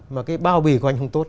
mà cái bao bì của anh không tốt